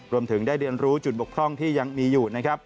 รวมถึงได้เรียนรู้จุดบกพร่องที่ยังมีอยู่นะครับ